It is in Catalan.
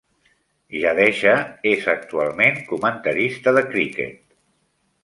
Jadeja és actualment comentarista de criquet.